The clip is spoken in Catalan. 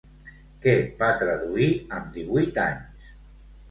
Què va traduir amb divuit anys?